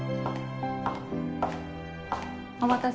お待たせ。